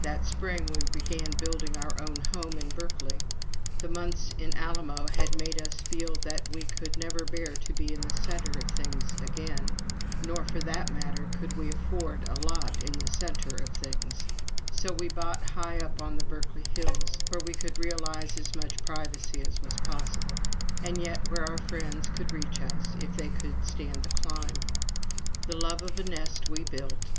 That spring we began building our very own home in Berkeley. The months in Alamo had made us feel that we could never bear to be in the centre of things again, nor, for that matter, could we afford a lot in the centre of things; so we bought high up on the Berkeley hills, where we could realize as much privacy as was possible, and yet where our friends could reach us if they could stand the climb. The love of a nest we built!